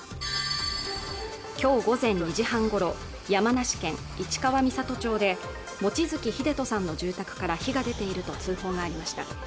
きょう午前２時半ごろ山梨県市川三郷町で望月秀人さんの住宅から火が出ていると通報がありました